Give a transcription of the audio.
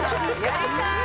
やりたい！